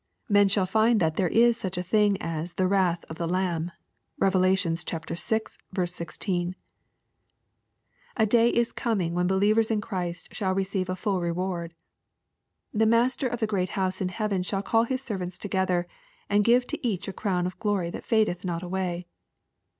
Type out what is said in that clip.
Men shall find that there is such a thing as " the wrath of the Lamb." (Rev. vi. 16.) A day is coming wheni believers in Christ shall receive a full reward. The Master of the great house in heaven shall call His servants together, and give to each a crown of glory that fadeth not away.